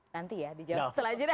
nanti ya di jawab setelah ini